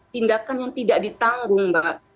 tindakan yang tidak ditanggung